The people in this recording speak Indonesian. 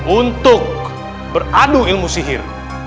untuk beradu ilmu sihir